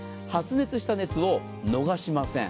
発熱した熱を逃しません。